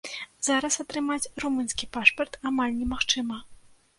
Зараз атрымаць румынскі пашпарт амаль немагчыма.